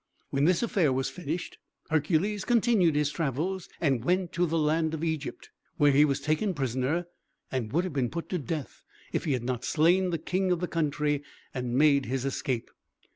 When this affair was finished, Hercules continued his travels, and went to the land of Egypt, where he was taken prisoner, and would have been put to death if he had not slain the king of the country and made his escape.